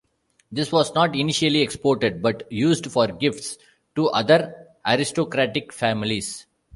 This was not initially exported, but used for gifts to other aristocratic families.